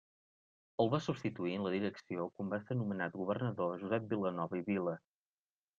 El va substituir en la direcció quan va ser nomenat governador, Josep Vilanova i Vila.